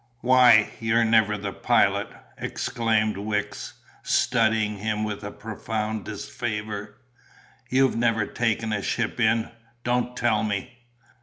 "Why, you're never the pilot?" exclaimed Wicks, studying him with a profound disfavour. "You've never taken a ship in don't tell me!"